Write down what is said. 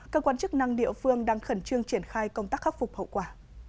cơ quan chức năng địa phương đang khẩn trương triển khai công tác khắc phục hậu quả